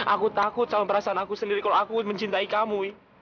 aku takut sama perasaan aku sendiri kalau aku mencintai kamu